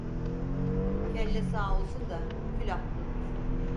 Kelle sağ olsun da külah bulunur.